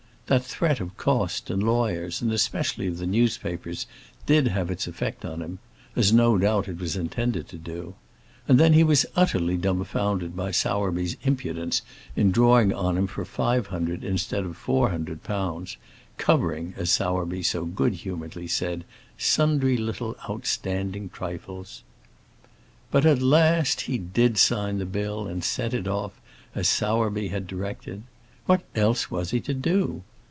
That threat of cost and lawyers, and specially of the newspapers, did have its effect upon him as no doubt it was intended to do. And then he was utterly dumfounded by Sowerby's impudence in drawing on him for £500 instead of £400, "covering," as Sowerby so good humouredly said, "sundry little outstanding trifles." But at last he did sign the bill, and sent it off, as Sowerby had directed. What else was he to do?